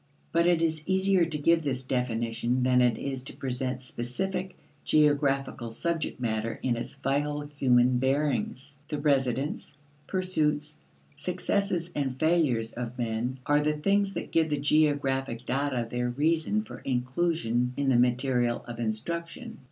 But it is easier to give this definition than it is to present specific geographical subject matter in its vital human bearings. The residence, pursuits, successes, and failures of men are the things that give the geographic data their reason for inclusion in the material of instruction.